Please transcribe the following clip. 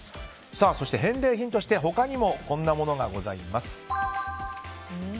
そして返礼品として他にもこんなものがございます。